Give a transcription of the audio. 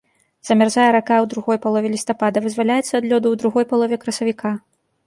Замярзае рака ў другой палове лістапада, вызваляецца ад лёду ў другой палове красавіка.